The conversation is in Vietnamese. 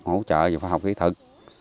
hỗ trợ về pha học kỹ thuật